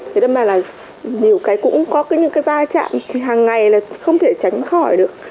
thế đó mà là nhiều cái cũng có những cái va chạm hàng ngày là không thể tránh khỏi được